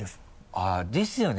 あっですよね？